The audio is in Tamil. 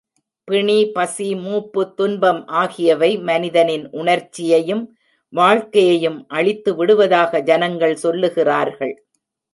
பிணி, பசி, மூப்பு, துன்பம் ஆகியவை மனிதனின் உணர்ச்சியையும் வாழ்க்கையையும் அழித்து விடுவதாக ஜனங்கள் சொல்லுகிறார்கள்.